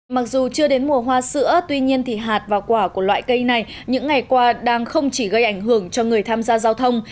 mặc dù chưa đến mùa hoa sữa tuy nhiên thì hạt và quả của loại cây này những ngày qua đang không chỉ gây ảnh hưởng cho người tham gia giao thông